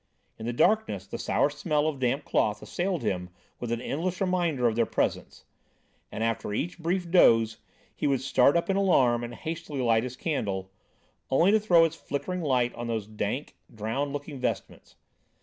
In the darkness, the sour smell of damp cloth assailed him with an endless reminder of their presence, and after each brief doze, he would start up in alarm and hastily light his candle; only to throw its flickering light on those dank, drowned looking vestments.